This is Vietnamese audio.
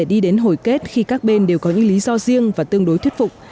chúng tôi sẽ đi đến hồi kết khi các bên đều có những lý do riêng và tương đối thuyết phục